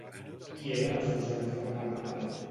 Qui eren els seus avis per part de pare?